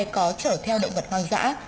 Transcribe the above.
có trở theo động vật hoang dã